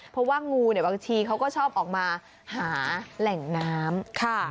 เพราะว่างูเนี่ยบางทีเขาก็ชอบออกมาหาแหล่งน้ำ